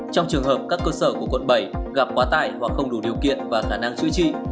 trong trường hợp các cơ sở của quận bảy gặp quá tải hoặc không đủ điều kiện và khả năng chữa trị